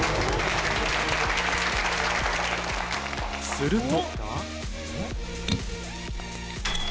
すると。